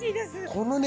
このね